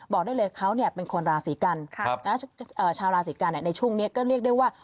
บอกได้เลยเขาเนี่ยเป็นคนราศีกรรมครับชาวราศีกรรมเนี่ยในช่วงเนี้ยก็เรียกได้ว่า